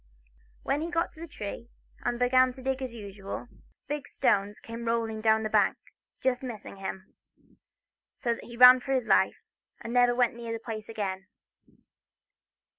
When he got to the tree, and began to dig as usual, big stones came rolling down the bank, just missing him, so that he ran for his life, and never went near the place again.